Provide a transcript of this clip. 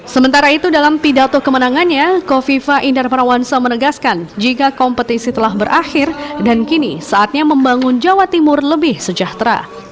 sementara itu dalam pidato kemenangannya kofifa indar parawansa menegaskan jika kompetisi telah berakhir dan kini saatnya membangun jawa timur lebih sejahtera